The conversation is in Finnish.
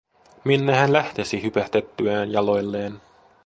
Minne hän lähtisi, hypähdettyään jaloilleen?